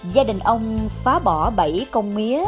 gia đình ông phá bỏ bảy công mía